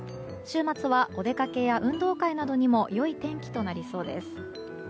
週末はお出かけや運動会などにもいい天気となりそうです。